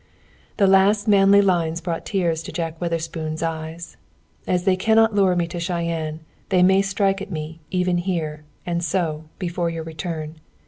The last manly lines brought tears to Jack Witherspoon's eyes. "As they cannot lure me to Cheyenne, they may strike at me, even here, and so, before your return.